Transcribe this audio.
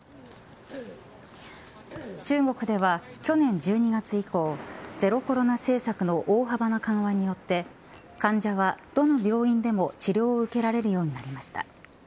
中国では去年１２月以降ゼロコロナ政策の大幅な緩和によって患者は、どの病院でも治療を受けられるようになりました。